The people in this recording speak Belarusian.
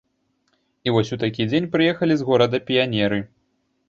І вось у такі дзень прыехалі з горада піянеры.